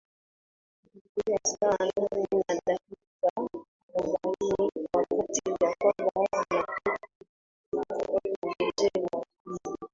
Ilikuwa saa nne na dakika arobaini wakati Jacob anatoka chanika kwa mzee Makame